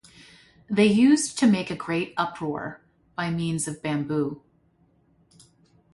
They used to make a great uproar by means of bamboo.